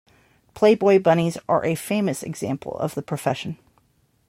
Playboy Bunnies are a famous example of the profession.